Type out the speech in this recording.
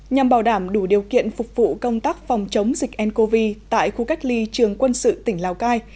nhằm bảo đảm đủ điều kiện phục vụ công tác phòng chống dịch ncov tại khu cách ly trường quân sự tỉnh lào cai